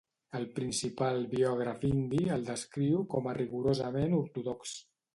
El principal biògraf indi el descriu com a rigorosament ortodox.